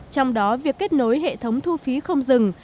trong đó việc kết nối hệ thống thu phí không dừng